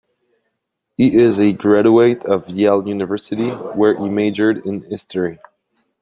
He is a graduate of Yale University, where he majored in History.